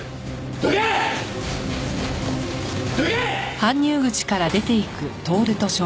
どけ！